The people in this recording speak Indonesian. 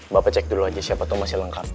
bapak cek dulu aja siapa tuh masih lengkap